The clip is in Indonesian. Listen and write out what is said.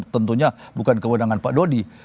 tentunya bukan kewenangan pak dodi